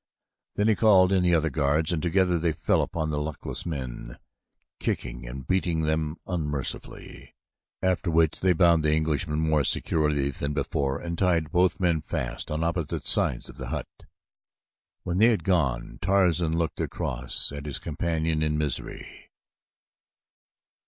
Then he called in the other guards and together they fell upon the luckless men, kicking and beating them unmercifully, after which they bound the Englishman more securely than before and tied both men fast on opposite sides of the hut. When they had gone Tarzan looked across at his companion in misery.